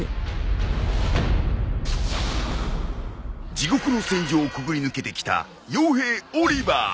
地獄の戦場をくぐり抜けてきた傭兵オリヴァー。